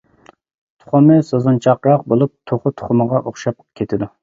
تۇخۇمى سوزۇنچاقراق بولۇپ توخۇ تۇخۇمىغا ئوخشاپ كېتىدۇ.